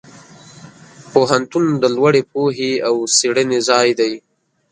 پوهنتون د لوړې پوهې او څېړنې ځای دی.